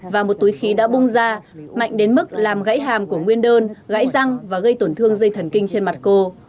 và một túi khí đã bung ra mạnh đến mức làm gãy hàm của nguyên đơn gãy răng và gây tổn thương dây thần kinh trên mặt cô